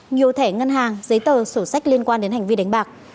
nhiều thẻ ngân hàng giấy tờ sổ sách liên quan đến hành vi đánh bạc